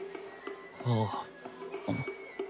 ああ。